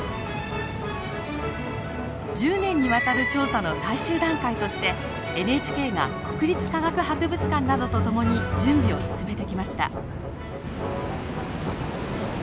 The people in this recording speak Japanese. １０年にわたる調査の最終段階としてＮＨＫが国立科学博物館などと共に準備を進めてきました。